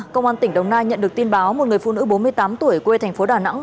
công an tỉnh đồng nai nhận được tin báo một người phụ nữ bốn mươi tám tuổi quê thành phố đà nẵng